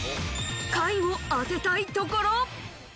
下位を当てたいところ。